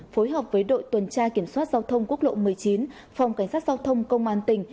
phối hợp với đội tuần tra kiểm soát giao thông quốc lộ một mươi chín phòng cảnh sát giao thông công an tỉnh